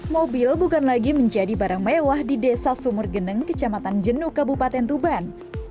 mobil bukan lagi menjadi barang mewah di desa sumurgeneng kecamatan jenuka bupaten tuban